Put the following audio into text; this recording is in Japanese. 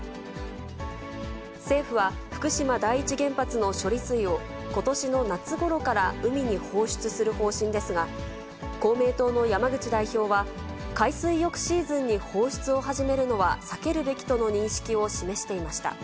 政府は、福島第一原発の処理水を、ことしの夏ごろから海に放出する方針ですが、公明党の山口代表は、海水浴シーズンに放出を始めるのは避けるべきとの認識を示していました。